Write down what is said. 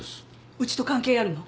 うちと関係あるの？